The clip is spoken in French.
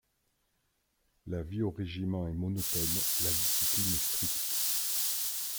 La vie au régiment est monotone, la discipline est stricte.